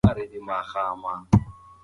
د عدالت د پلي کېدو څارنه يې کوله.